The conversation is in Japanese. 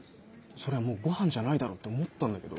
そりゃもうごはんじゃないだろって思ったんだけど。